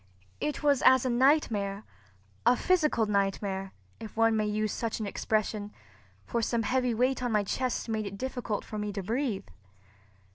It was as a nightmare—a physical nightmare, if one may use such an expression; for some heavy weight on my chest made it difficult for me to breathe.